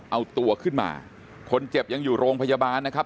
เอาตัวขึ้นมาคนเจ็บยังอยู่โรงพยาบาลนะครับ